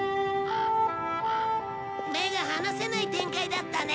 目が離せない展開だったね。